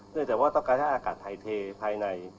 เนื่องจากว่าต้องการให้อากาศไทยเทภายใน